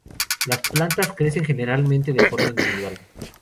Las plantas crecen generalmente de forma individual.